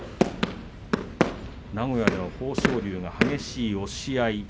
名古屋では豊昇龍が激しい押し合い。